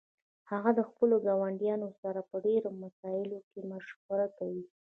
هغه د خپلو ګاونډیانو سره په ډیرو مسائلو کې مشوره کوي